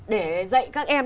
để dạy các em